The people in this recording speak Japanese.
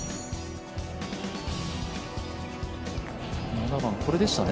７番、これでしたね。